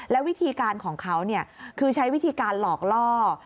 แล้ววิธีการของเขาคือใช้วิธีการหลอกล่อ